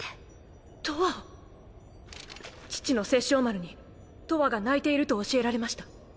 父の殺生丸にとわが泣いていると教えられました。